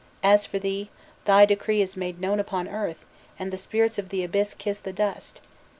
As for thee, thy decree is made known upon earth, and the spirits of the abyss kiss the dust!